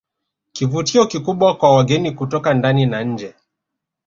Kivutio kikubwa kwa wageni kutoka ndani na nje